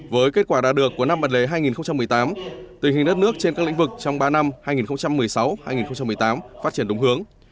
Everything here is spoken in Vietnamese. với kết quả đạt được của năm bật lế hai nghìn một mươi tám tình hình đất nước trên các lĩnh vực trong ba năm hai nghìn một mươi sáu hai nghìn một mươi tám phát triển đúng hướng